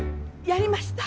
やりました。